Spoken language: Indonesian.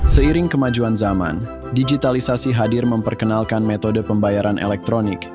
seiring kemajuan zaman digitalisasi hadir memperkenalkan metode pembayaran elektronik